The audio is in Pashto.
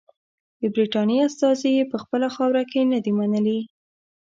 د برټانیې استازي یې په خپله خاوره کې نه دي منلي.